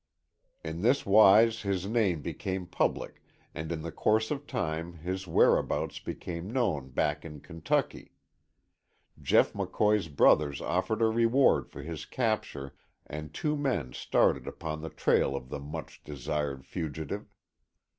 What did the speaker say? In this wise his name became public and in the course of time his whereabouts became known back in Kentucky. Jeff McCoy's brothers offered a reward for his capture and two men started upon the trail of the much desired fugitive.